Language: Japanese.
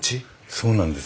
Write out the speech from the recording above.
そうなんです。